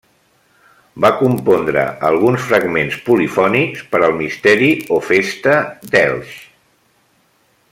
Va compondre alguns fragments polifònics per al misteri o festa d'Elx.